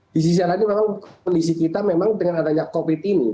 di sisi lain memang kondisi kita memang dengan adanya covid ini